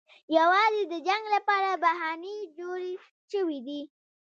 یوازې د جنګ لپاره بهانې جوړې شوې دي.